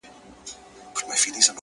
را گران يې کله کم او کله زيات راته وايي!